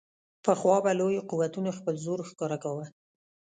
پخوا به لویو قوتونو خپل زور ښکاره کاوه.